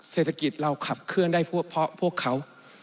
เศรษฐกิจเราขับเคลื่อนได้เพราะพวกเขา